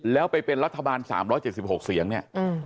แล้วไปเป็นรัฐบาล๓๗๖เสียงเนี่ย